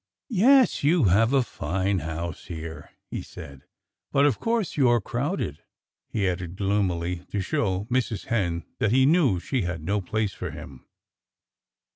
"Yes! You have a fine house here," he said. "But of course you're crowded," he added gloomily, to show Mrs. Hen that he knew she had no place for him.